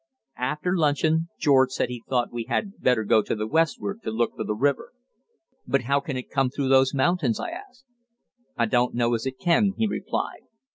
After luncheon George said he thought we had better go to the westward to look for the river. "But how can it come through those mountains?" I asked. "I don't know as it can," he replied.